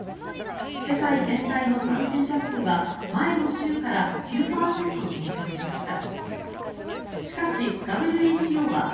世界全体の感染者数は前の週から９％減少しました。